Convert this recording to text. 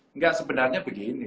enggak sebenarnya begini